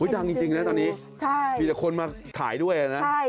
เฮ้ยดังจริงนะตอนนี้มีแต่คนมาถ่ายด้วยเดี๋ยวนะใช่